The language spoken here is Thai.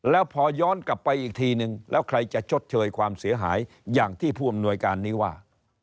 แล้วพอย้อนกลับไปอีกทีนึงแล้วใครจะชดเชยความเสียหายอย่างที่ผู้อำนวยการนี้ว่า